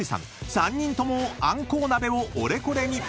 ３人ともあんこう鍋をオレコレに］